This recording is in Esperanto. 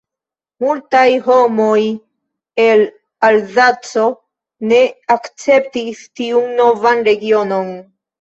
Multaj homoj el Alzaco ne akceptis tiun novan regionon.